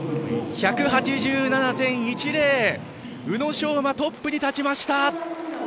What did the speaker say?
１８７．１０宇野昌磨、トップに立ちました！